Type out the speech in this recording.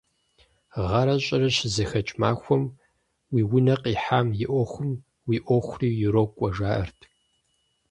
Гъэрэ щӀырэ щызэхэкӀ махуэм уи унэ къихьам и Ӏуэхум уи Ӏуэхури ирокӀуэ, жаӀэрт.